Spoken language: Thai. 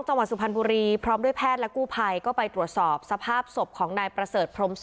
สุพรรณบุรีพร้อมด้วยแพทย์และกู้ภัยก็ไปตรวจสอบสภาพศพของนายประเสริฐพรมศ